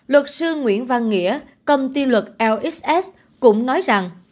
luật sư nguyễn văn nghĩa cầm tiên luật lxs cũng nói rằng